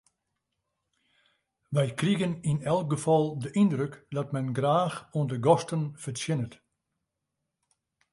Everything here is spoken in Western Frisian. Wy krigen yn elk gefal de yndruk dat men graach oan de gasten fertsjinnet.